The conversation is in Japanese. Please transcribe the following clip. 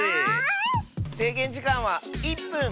せいげんじかんは１ぷん！